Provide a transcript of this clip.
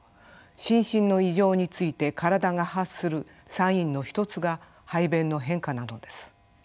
心身の異常について体が発するサインの一つが排便の変化なのです。